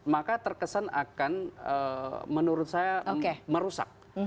maka terkesan akan menurut saya merusak